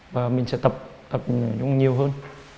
và mình sẽ tập nhiều hơn